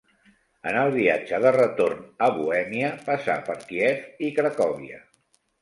En el viatge de retorn a Bohèmia, passà per Kíev i Cracòvia.